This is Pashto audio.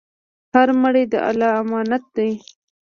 هر مړی د الله امانت دی.